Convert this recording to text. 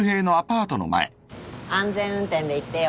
安全運転で行ってよ。